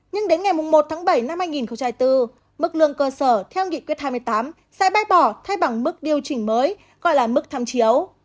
nhưng đến ngày một tháng bảy năm hai nghìn bốn mức lương cơ sở theo nghị quyết hai mươi tám sẽ bác bỏ thay bằng mức điều chỉnh mới gọi là mức tham chiếu